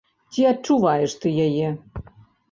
Ці адчуваеш ты яе?